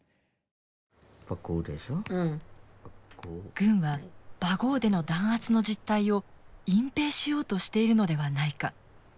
軍はバゴーでの弾圧の実態を隠蔽しようとしているのではないか。